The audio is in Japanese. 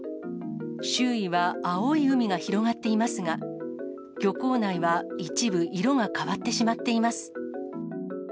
周囲は青い海が広がっていますが、漁港内は一部、色が変わってしまっています。